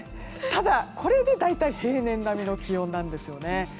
ただ、これで大体平年並みの気温なんですね。